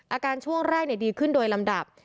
ช่วงแรกดีขึ้นโดยลำดับ